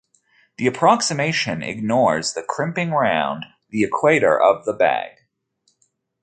The approximation ignores the crimping round the equator of the bag.